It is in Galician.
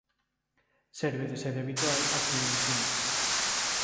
Serve de sede habitual á Fiorentina.